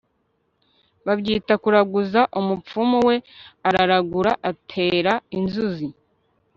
babyita kuraguza, umupfumu we araragura, atera inzuzi